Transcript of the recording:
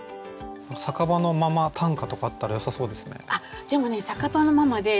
酒場のママ短歌とかあったらよさそうですね。